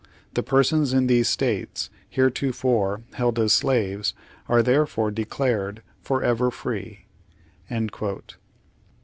The persons in these states heretofore held as slaves, are therefore declared forever free."